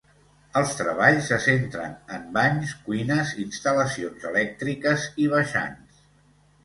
Els treballs se centren en banys, cuines, instal·lacions elèctriques i baixants.